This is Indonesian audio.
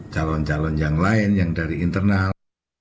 calon calon yang lain yang dari internal